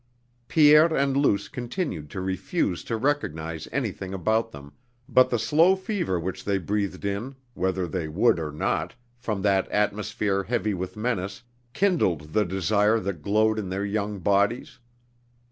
Pierre and Luce continued to refuse to recognize anything about them, but the slow fever which they breathed in, whether they would or not, from that atmosphere heavy with menace, kindled the desire that glowed in their young bodies.